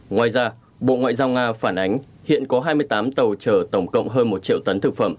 ngoài ra bộ ngoại giao nga phản ánh hiện có hai mươi tám tàu chở tổng cộng hơn một triệu tấn thực phẩm